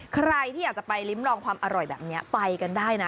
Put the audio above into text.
ใครที่อยากจะไปริ้มลองความอร่อยแบบนี้ไปกันได้นะ